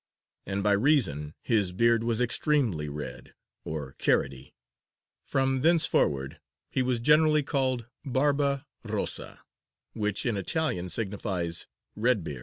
And by reason his beard was extremely red, or carroty, from thenceforwards he was generally called Barba rossa, which in Italian signifies Red Beard."